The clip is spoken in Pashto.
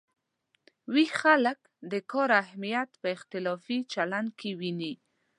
ویښ خلک د کار اهمیت په اختلافي چلن کې ویني.